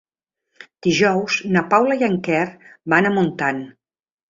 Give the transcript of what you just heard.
Dijous na Paula i en Quer van a Montant.